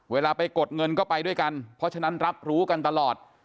เวลาไปกดเงินก็ไปด้วยกันเพราะฉะนั้นรับรู้กันตลอด